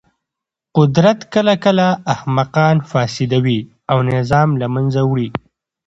قدرت کله کله احمقان فاسدوي او نظام له منځه وړي.